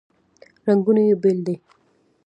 رنګونه یې بیل دي.